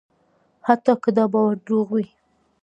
حتی که دا باور دروغ وي.